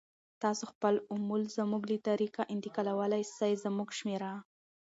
تاسو خپل اموال زموږ له طریقه انتقالولای سی، زموږ شمیره